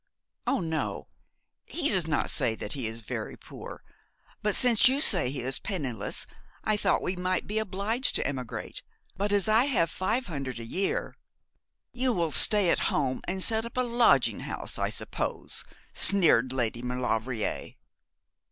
'Oh, no, he does not say that he is very poor, but since you say he is penniless I thought we might be obliged to emigrate. But as I have five hundred a year ' 'You will stay at home, and set up a lodging house, I suppose,' sneered Lady Maulevrier.